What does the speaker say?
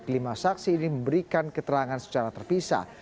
kelima saksi ini memberikan keterangan secara terpisah